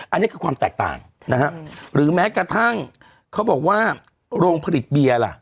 อันนี้คือความแตกต่างนะฮะหรือแม้กระทั่งเขาบอกว่าโรงผลิตเบียร์ล่ะ